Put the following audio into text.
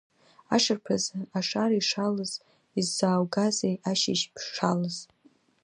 Ашырԥазы ашара ишалаз, исзааугазеи ашьыжь ԥшалас?